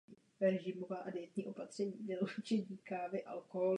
Úkolem vůdce jednání bude dospět k dohodě.